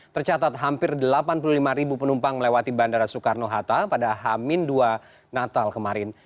tercatat hampir delapan puluh lima penumpang melewati bandara soekarno hatta pada hamindua natal kemarin